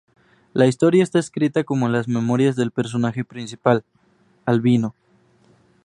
La historia está escrita como las memorias del personaje principal, Albino.